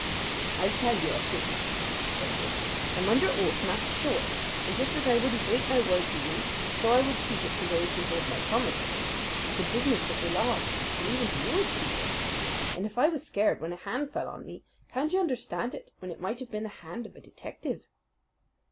"I'll tell you, acushla," said he. "I'm under oath not to show it, and just as I wouldn't break my word to you so I would keep it to those who hold my promise. It's the business of the lodge, and even to you it's secret. And if I was scared when a hand fell on me, can't you understand it when it might have been the hand of a detective?"